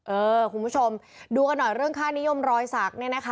คุณผู้ชมดูกันหน่อยเรื่องค่านิยมรอยสักเนี่ยนะคะ